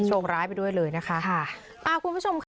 งร้ายไปด้วยเลยนะคะค่ะอ่าคุณผู้ชมค่ะ